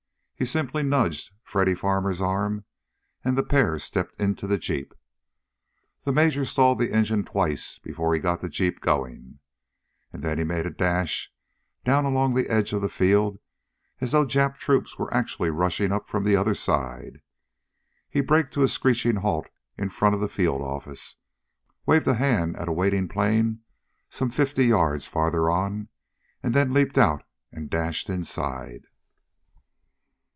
He simply nudged Freddy Farmer's arm, and the pair stepped into the jeep. The major stalled the engine twice before he got the jeep going. And then he made a dash down along the edge of the field as though Jap troops were actually rushing up from the other side. He braked to a screaming halt in front of the field office, waved a hand at a waiting plane some fifty yards farther on, and then leaped out and dashed inside.